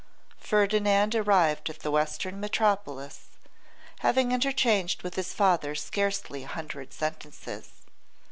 Ferdinand arrived at the western metropolis having interchanged with his father scarcely a hundred sentences.